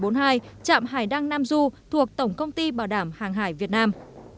trạm hải đăng nam du thuộc tổng công ty bảo đảm hàng hải việt nam